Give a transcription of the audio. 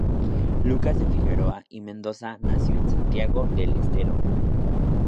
Lucas de Figueroa y Mendoza nació en Santiago del Estero.